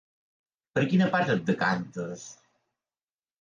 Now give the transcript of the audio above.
Per quina part et decantes?